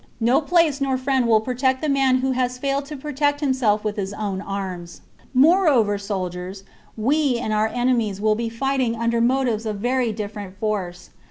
No place nor friend will protect the man who has failed to protect himself with his own arms. Moreover, soldiers, we and our enemies will be fight ing under motives of very different force.